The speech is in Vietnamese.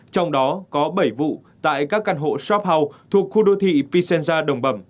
trong đó có bảy vụ tại các căn hộ shop house thuộc khu đô thị pisenza đồng bẩm